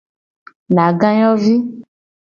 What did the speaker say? Nagayovi.